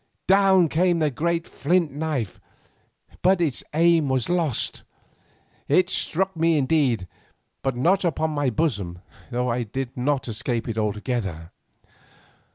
Down came the great flint knife, but its aim was lost. It struck indeed, but not upon my bosom, though I did not escape it altogether.